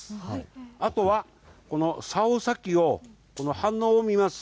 あとはこのさお先をこの反応を見ます。